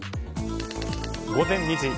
午前２時。